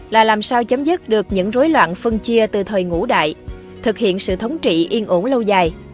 là làm sao chấm dứt được những rối loạn phân chia từ thời ngũ đại thực hiện sự thống trị yên ổn lâu dài